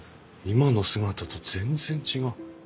今の姿と全然違う。